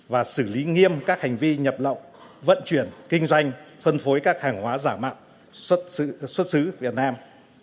và xử lý nghiêm các hành vi nhập lậu vận chuyển kinh doanh phân phối các hàng hóa giả mạo xuất xứ việt nam